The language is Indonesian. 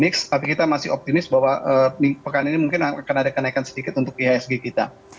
mix tapi kita masih optimis bahwa pekan ini mungkin akan ada kenaikan sedikit untuk ihsg kita